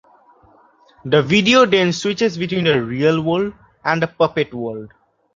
The video then switches between the "real world" and the "puppet world".